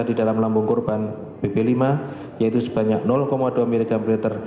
di dalam lambung korpamina bp lima yaitu sebanyak dua mg per liter